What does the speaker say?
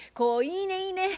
いいねいいね！